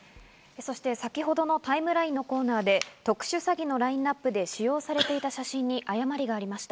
そして先ほどのタイムラインのコーナーで特殊詐欺のラインナップで使用されていた写真に誤りがありました。